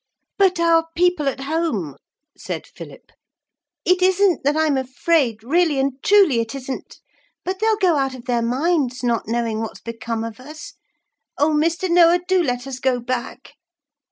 'But our people at home,' said Philip. 'It isn't that I'm afraid, really and truly it isn't, but they'll go out of their minds, not knowing what's become of us. Oh, Mr. Noah! do let us go back.'